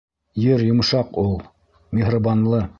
Ер йомшаҡ ул, миһырбанлы.